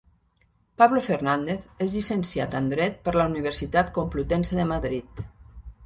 Pablo Fernández és llicenciat en Dret per la Universitat Complutense de Madrid.